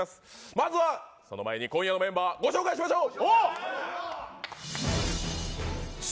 まずは今夜のメンバーご紹介しましょう。